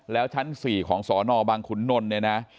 แล้วชั้น๔ของสนบังขุนนลเนี่ยนะ